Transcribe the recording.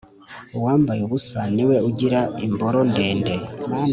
uwambaye ubusa ni we ugira imboro ndende